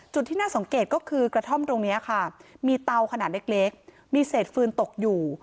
ที่น่าสังเกตก็คือกระท่อมตรงนี้ค่ะมีเตาขนาดเล็กมีเศษฟืนตกอยู่